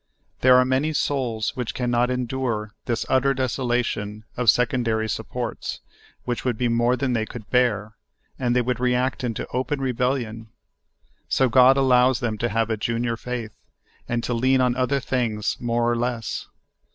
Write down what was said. There are many souls which can not en dure this utter desolation of secondary supports, which would be more than they could bear, and they would react into open rebellion ; so God allows them to have a junior faith, and to lean on other things more or less.